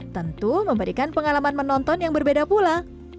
tentu memberikan pengalaman menonton yang berbeda pula